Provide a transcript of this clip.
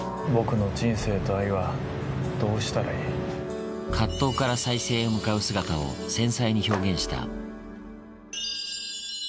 僕の人生と愛はどうしたらい葛藤から再生へ向かう姿を繊細に表現した。